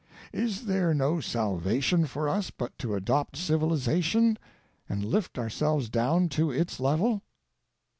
Is there no salvation for us but to adopt Civilization and lift our selves down to its level